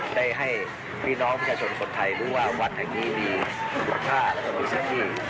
ได้ให้พี่น้องพิชาชนสดไทยรู้ว่าวัดแห่งนี้มีหัวข้าและมีเซ็นตี้